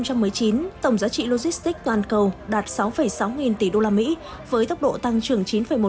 năm hai nghìn một mươi chín tổng giá trị logistics toàn cầu đạt sáu sáu nghìn tỷ usd với tốc độ tăng trưởng chín một